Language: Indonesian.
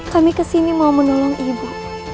kami kesini mau menolong ibu